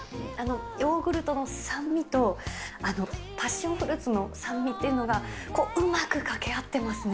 ヨーグルトの酸味と、パッションフルーツの酸味というのが、うまくかけ合ってますね。